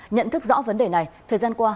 nhận thức rõ vấn đề này thời gian qua